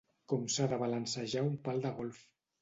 Com s'ha de balancejar un pal de golf.